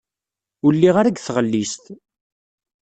Ur lliɣ ara deg tɣellist.